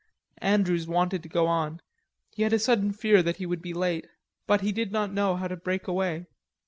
Andrews wanted to go on. He had a sudden fear that he would be late. But he did not know how to break away.